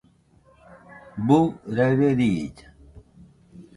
¿Buu raɨre riilla?